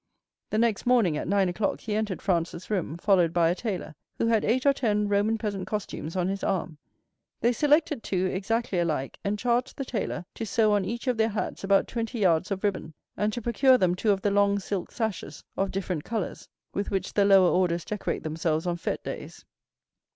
The next morning, at nine o'clock, he entered Franz's room, followed by a tailor, who had eight or ten Roman peasant costumes on his arm; they selected two exactly alike, and charged the tailor to sew on each of their hats about twenty yards of ribbon, and to procure them two of the long silk sashes of different colors with which the lower orders decorate themselves on fête days.